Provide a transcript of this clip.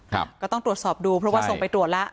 ก็ต้องตรวจสอบดูเพราะว่าส่งไปตรวจแล้ว